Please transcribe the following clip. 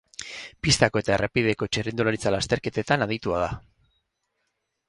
Pistako eta errepideko txirrindularitza-lasterketetan aditua da.